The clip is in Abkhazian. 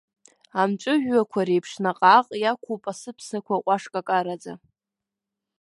Амҵәыжәҩақәа реиԥш наҟ-ааҟ иақәуп асыԥсақәа ҟәашкакараӡа.